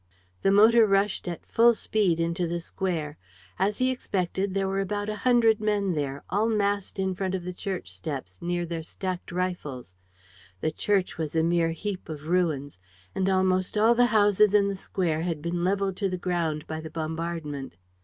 The motor rushed at full speed into the square. As he expected, there were about a hundred men there, all massed in front of the church steps, near their stacked rifles. The church was a mere heap of ruins; and almost all the houses in the square had been leveled to the ground by the bombardment.